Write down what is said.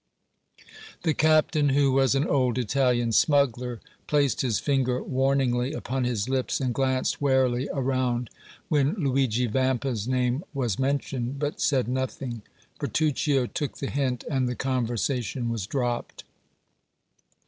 The captain, who was an old Italian smuggler, placed his finger warningly upon his lips and glanced warily around when Luigi Vampa's name was mentioned, but said nothing. Bertuccio took the hint and the conversation was dropped.